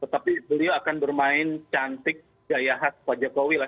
tetapi beliau akan bermain cantik gaya khas pak jokowi lah